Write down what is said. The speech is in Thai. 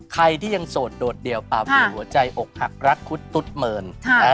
ใครที่ยังโสดโดดเดี่ยวเปล่ามีหัวใจอกหักรักคุดตุ๊ดเมิน